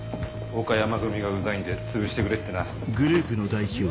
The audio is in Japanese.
岡山組がウザいんでつぶしてくれってな。